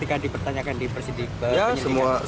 apa yang dipercapai